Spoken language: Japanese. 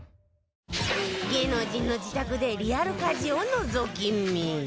芸能人の自宅でリアル家事をのぞき見